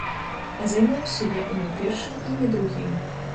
А займаюся я і не першым, і не другім.